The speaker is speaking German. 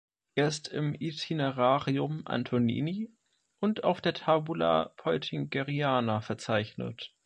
Er ist im Itinerarium Antonini und auf der Tabula Peutingeriana verzeichnet.